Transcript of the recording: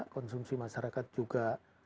konsumsi masyarakat juga